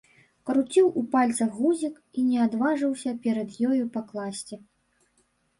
Круціў у пальцах гузік і не адважыўся перад ёю пакласці.